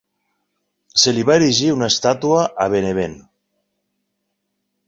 Se li va erigir una estàtua a Benevent.